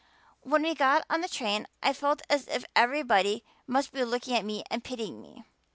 When we got on the train I felt as if everybody must be looking at me and pitying me.